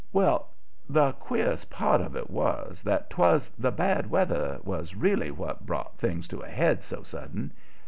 Well, the queerest part of it was that 'twas the bad weather was really what brought things to a head so sudden.